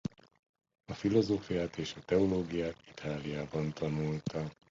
A filozófiát és a teológiát Itáliában tanulta.